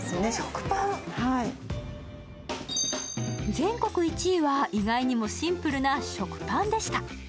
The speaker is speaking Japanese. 全国１位は意外にもシンプルな食パンでした。